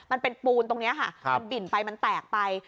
มันเป็นปูนตรงนี้ค่ะมันบิ่นไปมันแตกไป